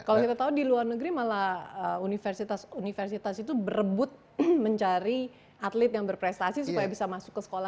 kalau kita tahu di luar negeri malah universitas universitas itu berebut mencari atlet yang berprestasi supaya bisa masuk ke sekolah